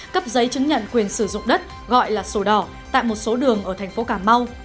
cấp giấy chứng nhận quyền sử dụng đất gọi là sổ đỏ tại một số đường ở thành phố cà mau